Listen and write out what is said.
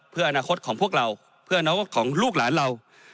เพื่ออนาคตของพวกเราเพื่ออนาคตของลูกหลานเรา